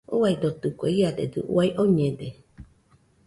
Uaidotɨkue, iadedɨ uai oñede.